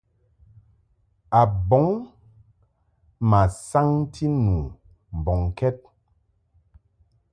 A bɔŋ ma saŋti nu mbɔŋkɛd.